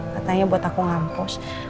katanya buat aku ngampus